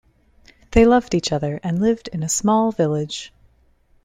They loved each other and lived in a small village.